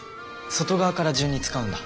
外側から順に使うんだ。